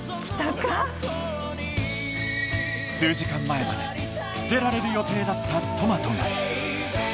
数時間前まで捨てられる予定だったトマトが。